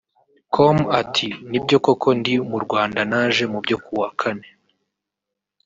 com ati”Ni byo koko ndi mu Rwanda naje mu byo ku wa kane